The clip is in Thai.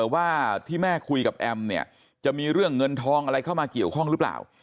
ว่าที่แม่คุยกับแอมเนี่ยจะมีเรื่องเงินทองอะไรเข้ามาเกี่ยวข้องหรือเปล่า